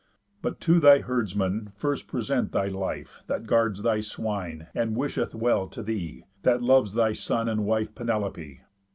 But to thy herdsman first present thy life, That guards thy swine, and wisheth well to thee, That loves thy son and wife Penelopé.